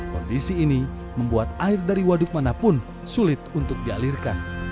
kondisi ini membuat air dari waduk manapun sulit untuk dialirkan